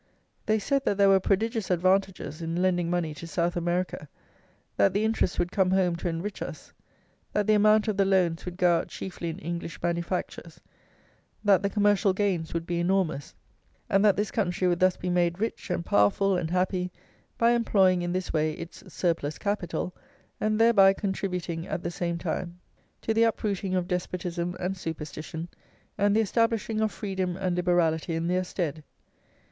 They said that there were prodigious advantages in lending money to South America, that the interest would come home to enrich us; that the amount of the loans would go out chiefly in English manufactures; that the commercial gains would be enormous; and that this country would thus be made rich, and powerful, and happy, by employing in this way its "surplus capital," and thereby contributing at the same time to the uprooting of despotism and superstition, and the establishing of freedom and liberality in their stead.